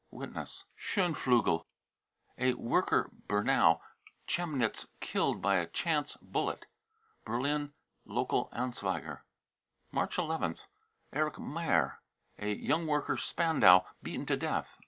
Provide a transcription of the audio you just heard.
(Witness.) scheunflugel, a worker, Bernau, Chemnitz, killed by a " chance bullet." (Berlin Lokal Anzeiger.) March nth. erich meyer, a young worker, Spandau, beaten to death.